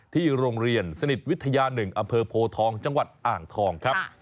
ที่โรงเรียนสนิทวิทยา๑อำเภอโพทองจังหวัดอ่างทองครับ